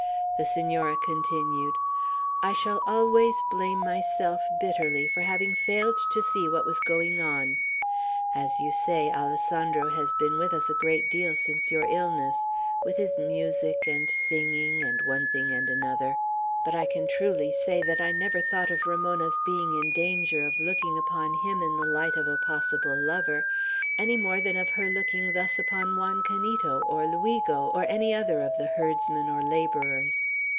The Senora continued: "I shall always blame myself bitterly for having failed to see what was going on. As you say, Alessandro has been with us a great deal since your illness, with his music, and singing, and one thing and another; but I can truly say that I never thought of Ramona's being in danger of looking upon him in the light of a possible lover, any more than of her looking thus upon Juan Canito, or Luigo, or any other of the herdsmen or laborers.